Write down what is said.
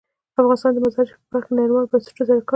افغانستان د مزارشریف په برخه کې له نړیوالو بنسټونو سره کار کوي.